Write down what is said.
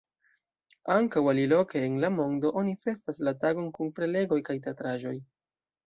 Ankaŭ aliloke en la mondo oni festas la tagon kun prelegoj kaj teatraĵoj.